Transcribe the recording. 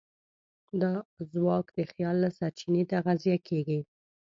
دا ځواک د خیال له سرچینې تغذیه کېږي.